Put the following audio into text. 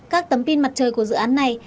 các tấm pin mặt trời của dự án này